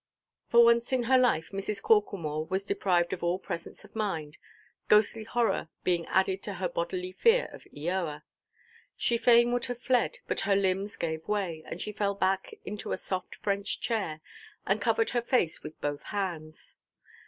For once in her life Mrs. Corklemore was deprived of all presence of mind, ghostly horror being added to bodily fear of Eoa. She fain would have fled, but her limbs gave way, and she fell back into a soft French chair, and covered her face with both hands.